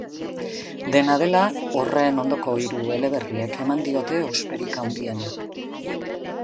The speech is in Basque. Dena dela, horren ondoko hiru eleberriek eman diote osperik handiena.